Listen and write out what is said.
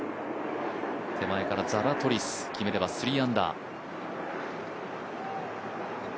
手前からザラトリス、決めれば３アンダー。